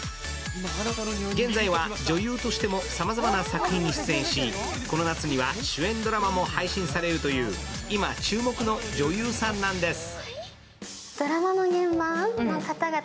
現在は女優としても、さまざまな作品に出演し、この夏には主演ドラマも配信されるという今、注目の女優さんなんです。